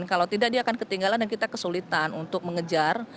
kalau tidak dia akan ketinggalan dan kita kesulitan untuk mengejar